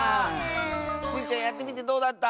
スイちゃんやってみてどうだった？